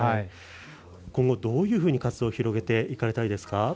今後、どういうふうに活動を広げていきたいですか。